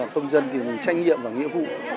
phương dân thì mình tranh nghiệm và nghĩa vụ